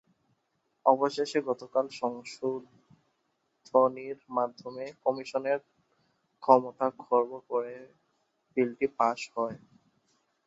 অবশেষে গতকাল সংশোধনীর মাধ্যমে কমিশনের ক্ষমতা খর্ব করে বিলটি পাস হয়।